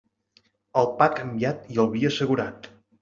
El pa canviat i el vi assegurat.